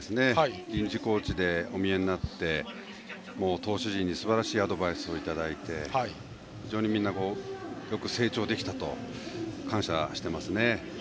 臨時コーチでお見えになって投手陣にすばらしいアドバイスをいただいて非常にみんなよく成長できたと感謝していますね。